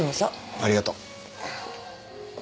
ありがとう。